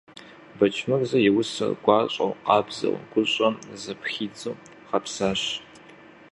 Бэчмырзэ и усэр гуащӀэу, къабзэу, гущӀэм зэпхидзу гъэпсащ.